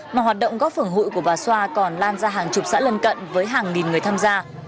mà hoạt động góp phần hụi của bà xoa còn lan ra hàng chục xã lân cận với hàng nghìn người tham gia